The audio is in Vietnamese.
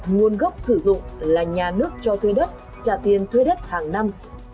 nguồn gốc sử dụng là nhà nước cho thuê đất trả tiền thuê đất hàng năm